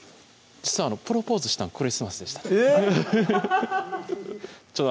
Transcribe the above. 実はプロポーズしたんクリスマスでしたえっ！